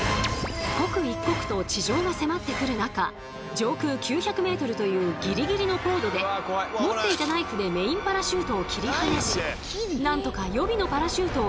上空９００ｍというギリギリの高度で持っていたナイフでメインパラシュートを切り離しなんとか予備のパラシュートを開いたんだそう。